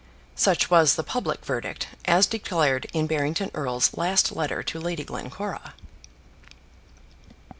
Such was the public verdict, as declared in Barrington Erle's last letter to Lady Glencora.